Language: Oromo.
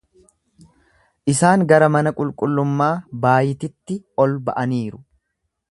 Isaan gara mana qulqullummaa Baayititti ol ba’aniiru.